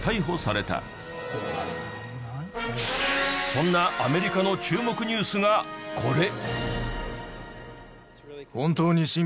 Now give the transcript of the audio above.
そんなアメリカの注目ニュースがこれ。